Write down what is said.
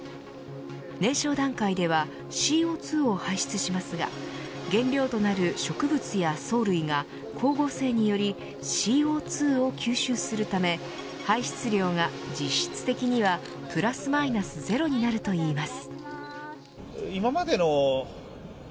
燃焼段階ではＣＯ２を排出しますが原料となる植物や藻類が光合成によりＣＯ２を吸収するため排出量が実質的にはプラスマイナスゼロになるといいます。